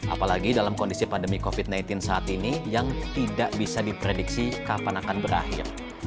apalagi dalam kondisi pandemi covid sembilan belas saat ini yang tidak bisa diprediksi kapan akan berakhir